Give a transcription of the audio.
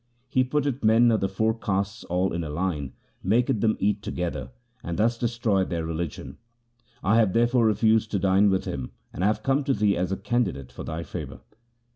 He putteth men of the four castes all in a line, maketh them eat together, and thus destroyeth their religion. I have therefore refused to dine with him, and have come to thee as a candidate for thy favour.'